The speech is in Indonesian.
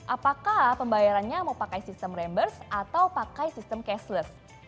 apakah pembayarannya mau pakai sistem rembers atau pakai sistem cashless